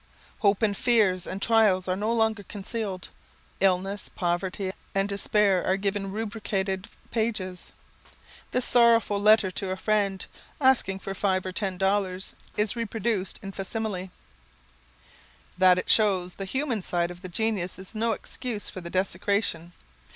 Hopes and fears and trials are no longer concealed. Illness, poverty, and despair are given rubricated pages. The sorrowful letter to a friend, asking for five or ten dollars, is reproduced in facsimile. [Sidenote: The Soldier of the World] That it shows the human side of the genius is no excuse for the desecration.